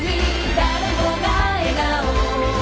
「誰もが笑顔」